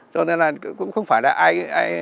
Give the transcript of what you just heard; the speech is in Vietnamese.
cho nên là cũng không phải là ai